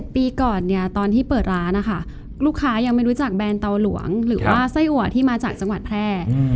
ปีก่อนเนี่ยตอนที่เปิดร้านนะคะลูกค้ายังไม่รู้จักแบรนด์เตาหลวงหรือว่าไส้อัวที่มาจากจังหวัดแพร่